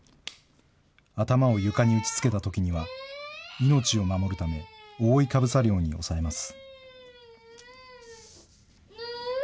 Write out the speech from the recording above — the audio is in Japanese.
頭を床に打ちつけたときには、命を守るため、覆いかぶさるように押さえます。